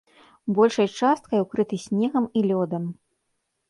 Большай часткай укрыты снегам і лёдам.